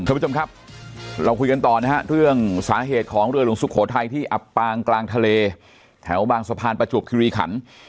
ท่านผู้ชมครับเราคุยกันต่อนะฮะเรื่องสาเหตุของเรือหลวงสุโขทัยที่อับปางกลางทะเลแถวบางสะพานประจวบคิริขัน